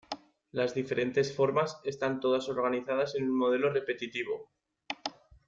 Las diferentes formas están todas organizadas en un modelo repetitivo.